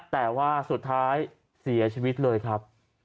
แต่ว่าสุดท้ายเสียชีวิตเลยครับ